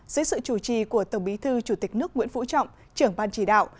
dưới sự chủ trì của tổng bí thư chủ tịch nước nguyễn phú trọng trưởng ban chỉ đạo